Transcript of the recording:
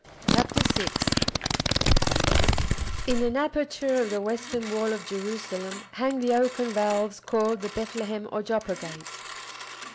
CHAPTER VI In an aperture of the western wall of Jerusalem hang the "oaken valves" called the Bethlehem or Joppa Gate.